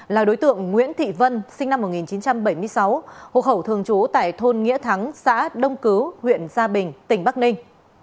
là đối tượng nguyễn thị vân sinh năm một nghìn chín trăm bảy mươi sáu hộ khẩu thường trú tại thôn nghĩa thắng xã đông cứu huyện gia bình tỉnh bắc ninh